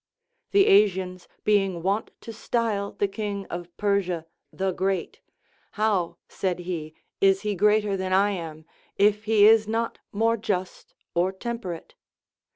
The Asians being wont to style the king of Persia The Great ; How, said he, is he greater than I am, if he is not more just or temperate?